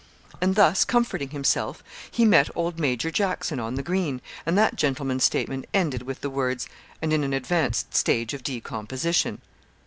And thus comforting himself, he met old Major Jackson on the green, and that gentleman's statement ended with the words; 'and in an advanced stage of decomposition.'